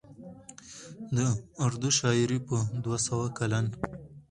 د اردو شاعرۍ په دوه سوه کلن